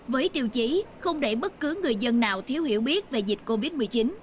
với tiêu chí không để bất cứ người dân nào thiếu hiểu biết về dịch covid một mươi chín